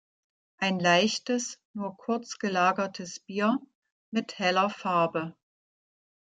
Ein leichtes, nur kurz gelagertes Bier mit heller Farbe.